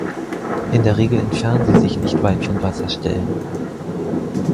In der Regel entfernen sie sich nicht weit von Wasserstellen.